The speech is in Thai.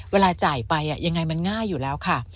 เวลาจ่ายไปยังไงมันง่ายอยู่แล้วค่ะ